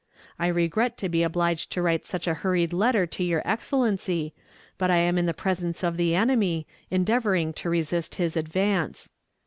I regret to be obliged to write such a hurried letter to your Excellency, but I am in the presence of the enemy, endeavoring to resist his advance.